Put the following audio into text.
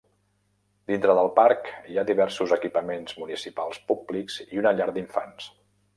Dintre del parc hi ha diversos equipaments municipals públics i una llar d'infants.